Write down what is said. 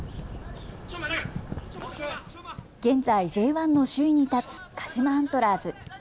現在、Ｊ１の首位に立つ鹿島アントラーズ。